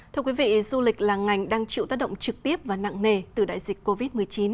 thưa quý vị du lịch là ngành đang chịu tác động trực tiếp và nặng nề từ đại dịch covid một mươi chín